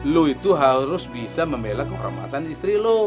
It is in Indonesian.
lu itu harus bisa membelah kehormatan istri lu